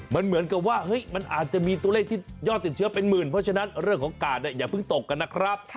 มันเหมือนกับว่ามันอาจจะมีตัวเลขที่ยอดติดเชื้อเป็นหมื่นเพราะฉะนั้นเรื่องของกาดเนี่ยอย่าเพิ่งตกกันนะครับ